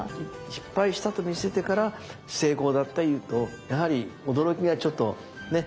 失敗したと見せてから成功だって言うとやはり驚きがちょっとね？